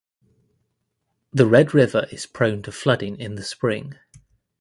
The Red River is prone to flooding in the spring.